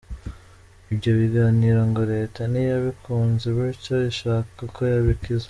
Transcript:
Ibyo biganiro ngo Leta ntiyabikunze bityo ishaka uko yabikiza.